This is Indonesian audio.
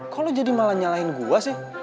kok lo jadi malah nyalahin gue sih